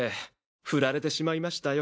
振られてしまいましたよ。